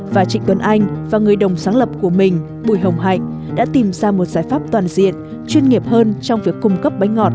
và trịnh tuấn anh và người đồng sáng lập của mình bùi hồng hạnh đã tìm ra một giải pháp toàn diện chuyên nghiệp hơn trong việc cung cấp bánh ngọt